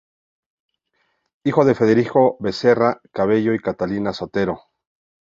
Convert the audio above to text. Hijo de Federico Becerra Cabello y Catalina Sotero.